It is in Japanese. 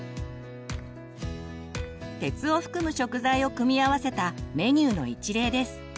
鉄を含む食材を組み合わせたメニューの一例です。